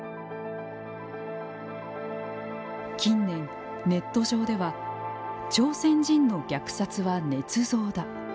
近年、ネット上では朝鮮人の虐殺はねつ造だ。